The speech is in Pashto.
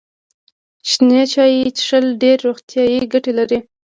شنه چای څښل ډیرې روغتیايي ګټې لري.